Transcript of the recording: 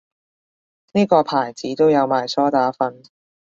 呢個牌子都有賣梳打粉